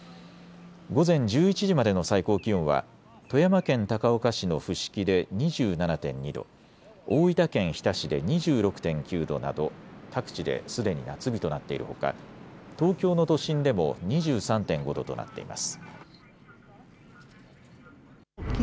午前１１時までの最高気温は富山県高岡市の伏木で２７．２度、大分県日田市で２６．９度など各地ですでに夏日となっているほか東京の都心でも２３．５度となっています。